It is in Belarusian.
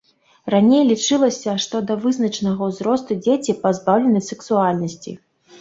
Раней лічылася, што да вызначанага ўзросту дзеці пазбаўлены сексуальнасці.